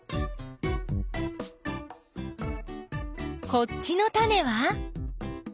こっちのタネは？